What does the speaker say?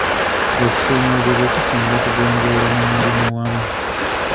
Okusoomoozebwa kusinga kugonjoolwa mu muli wamu.